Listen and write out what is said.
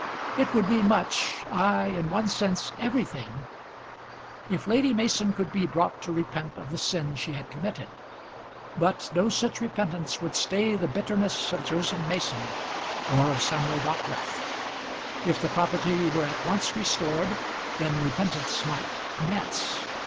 It would be much, ay, in one sense everything, if Lady Mason could be brought to repent of the sin she had committed; but no such repentance would stay the bitterness of Joseph Mason or of Samuel Dockwrath. If the property were at once restored, then repentance might commence.